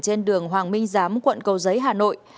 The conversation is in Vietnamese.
trên đường hoàng minh giám quận cầu giấy hà nội